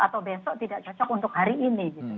atau besok tidak cocok untuk hari ini